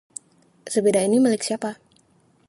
Sepeda ini milik siapa?